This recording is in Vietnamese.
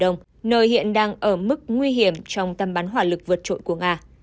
nơi hiện đang ở mức nguy hiểm trong tâm bắn hỏa lực vượt trội của nga